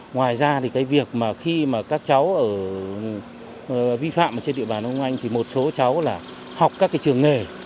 ngoài ra thì cái việc mà khi mà các cháu ở vi phạm ở trên địa bàn đông anh thì một số cháu là học các cái trường nghề